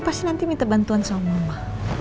pasti nanti minta bantuan sama mama